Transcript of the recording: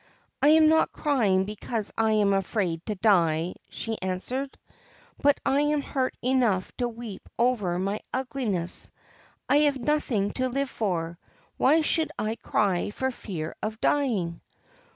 ' I am not crying because I am afraid to die,' she answered, ' but I am hurt enough to weep over my ugliness. I have nothing to live for, why should I cry for fear of dying